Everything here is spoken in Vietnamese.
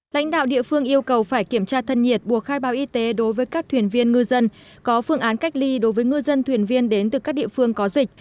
lãnh đạo địa phương yêu cầu phải kiểm tra thân nhiệt buộc khai báo y tế đối với các thuyền viên ngư dân có phương án cách ly đối với ngư dân thuyền viên đến từ các địa phương có dịch